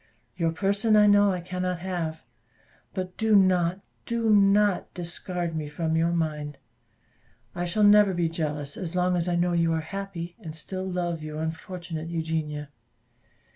Your person I know I cannot have but do not, do not discard me from your mind. I shall never be jealous as long as I know you are happy, and still love your unfortunate Eugenia.